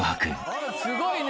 すごいね。